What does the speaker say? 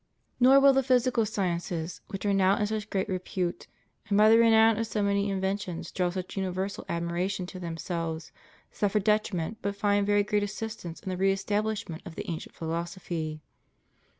Nor will the physical sciences, which are now in such great repute, and by the renown of so many inventions draw such universal ad miration to themselves, suffer detriment but find very great assistance in the re establishment of the ancient philosophy.